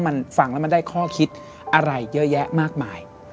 มันฟังแล้วมันได้ข้อคิดอะไรเยอะแยะมากมาย